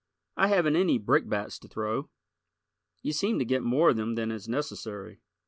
I haven't any brickbats to throw. You seem to get more of them than is necessary.